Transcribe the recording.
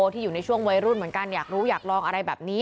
ที่อยู่ในช่วงวัยรุ่นเหมือนกันอยากรู้อยากลองอะไรแบบนี้